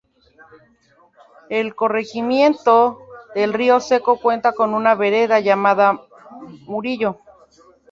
El corregimiento de Río Seco cuenta con una vereda, llamada Murillo.